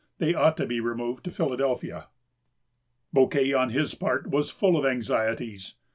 They ought to be removed to Philadelphia." Bouquet, on his part, was full of anxieties.